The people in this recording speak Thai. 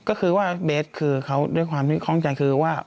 ก็คือว่าเบสคือเขาด้วยความที่คล่องใจคือว่า